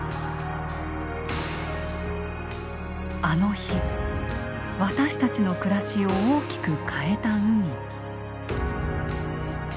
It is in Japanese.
あの日私たちの暮らしを大きく変えた海。